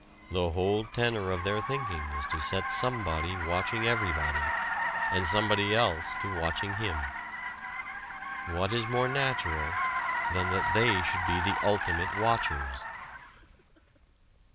The whole tenor of their thinking is to set somebody watching everybody and somebody else to watching him. What is more natural than that they should be the Ultimate Watchers?